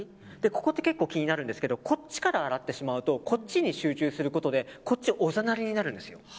ここって結構気になるんですけどこっちから洗ってしまうと集中してしまってこっちがおざなりになるんですよ。